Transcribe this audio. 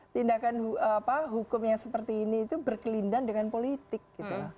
tindakan hukum seperti ini berkelimdan dengan politik gitu